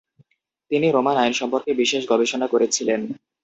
তিনি রোমান আইন সম্পর্কে বিশেষ গবেষণা করেছিলেন।